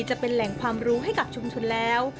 จะเป็นแหล่งความรู้ให้กับชุมชนแล้ว